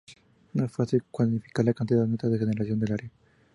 No es fácil de cuantificar la cantidad neta de regeneración del área.